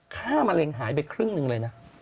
มะเร็งหายไปครึ่งหนึ่งเลยนะ